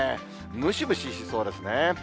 ムシムシしそうですね。